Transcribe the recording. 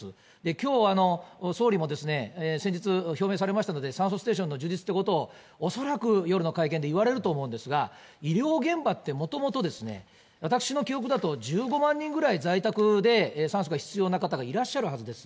きょう、総理も先日、表明されましたので、酸素ステーションの充実ということを、恐らく夜の会見で言われると思うんですが、医療現場ってもともとですね、私の記憶だと、１５万人ぐらい在宅で酸素が必要な方がいらっしゃるはずです。